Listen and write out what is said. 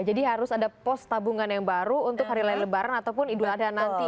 jadi harus ada post tabungan yang baru untuk hari raya lebaran atau idul adhan nanti